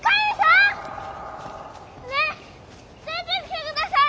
ねえ出てきてください！